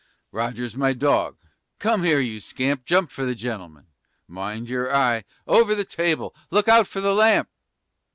Roger's my dog. Come here, you scamp! Jump for the gentleman, mind your eye! Over the table, look out for the lamp!